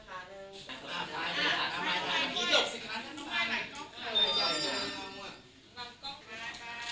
ตรงนี้ก็นะคะไม่ต้องเล่านก็นะคะ